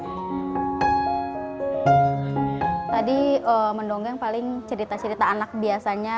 tadi mendongeng paling cerita cerita anak biasanya